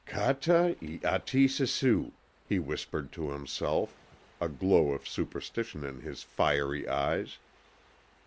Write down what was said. "Kata y ati sisew," he whispered to himself, a glow of superstition in his fiery eyes.